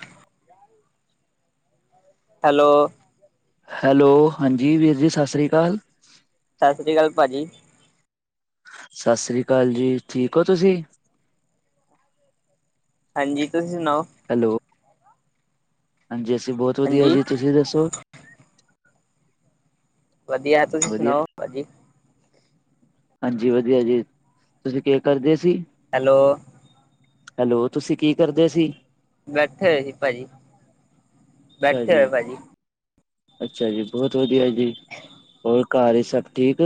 ਹਮ [inaudible] [inaudible] hello! [inaudible] Hello! ਹਾਂਜੀ ਵੀਰ ਜੀ, ਸਤ ਸੀ੍ ਅਕਾਲ। ਸਤਿ ਸ਼੍ਰੀ ਅਕਾਲ ਭਾਜੀ। ਸਤਿ ਸ੍ਰੀ ਅਕਾਲ ਜੀ ਠੀਕ ਓ ਤੁਸੀਂ ਹਾਂਜੀ ਤੁਸੀਂ ਸੁਨਾਓ ਹੈਲੋ ਹਾਂਜੀ ਅਸੀਂ ਬਹੁਤ ਵਧੀਆ ਹਾਂਜੀ, ਜੀ ਤੁਸੀਂ ਦੱਸੋ ਵਧੀਆ ਤੁਸੀਂ ਵਧੀਆ, ਸੁਨਾਓ ਭਾਜੀ ਹਾਂਜੀ ਵਧੀਆ ਜੀ ਤੁਸੀਂ ਕੇ ਕਰਦੇ ਸੀ ਹੈਲੋ ਹੈਲੋ ਤੁਸੀਂ ਕੀ ਕਰਦੇ ਸੀ ਬੈਠੇ ਹੋਏ ਸੀ ਭਾਜੀ ਅੱਛਾ ਬੈਠੇ ਜੀ ਹੋਏ ਭਾਜੀ, ਅੱਛਾ ਜੀ ਬਹੁਤ ਵਧੀਆ ਜੀ ਹੋਰ ਘਰ ਇਚ ਸਭ ਠੀਕ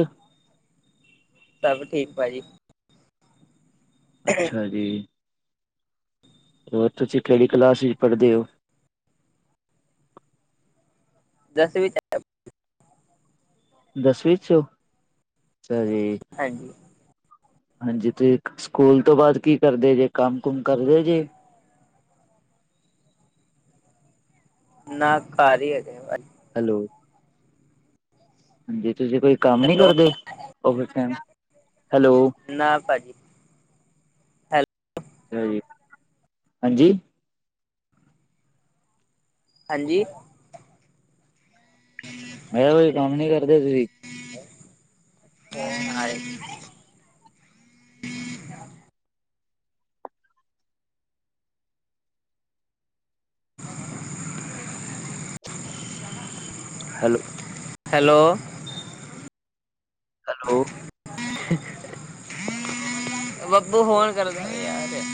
ਸਭ ਠੀਕ ਭਾਜੀ ਅੱਛਾ ਜੀ। ਹੋਰ ਤੁਸੀਂ ਕਿਹੜੀ ਕਲਾੱਸ ਵਿੱਚ ਪੜ੍ਹਦੇ ਹੋ? ਦਸਵੀਂ ਕ--। ਦਸਵੀਂ ਚ ਓ, ਅੱਛਾ ਜੀ। ਹਾਂਜੀ। ਹਾਂਜੀ ਤੇ ਸਕੂਲ ਤੋਂ ਬਾਅਦ ਕੀ ਕਰਦੇ ਜੇ ਕੰਮ ਕੁਮ ਕਰਦੇ ਜੇ ਨਾ ਘਰ ਈ ਹੈਗੇ ਅੱਜ ਹੈਲੋ ਹਾਂਜੀ ਤੁਸੀਂ ਕੋਈ ਕੰਮ ਨੀ ਕਰਦੇ ਓਵਰ ਟਾਈਮ ਹੈਲੋ ਨਾ ਭਾਜੀ ਹੈਲ ਸ ਹਾਂਜੀ [inaudible] ਹਾਂਜੀ ਮੈਂ ਕਿਹਾ ਕੋਈ ਕੰਮ ਨੀ ਕਰਦੇ ਤੁਸੀਂ [unintelligible] ਹੈਲੋ ਹੈਲੋ ਹੈਲੋ ਅ [inaudible] ਬੱਬੂ ਹੋਣ ਕਰਦੇ ਯਾਰ [inaudible]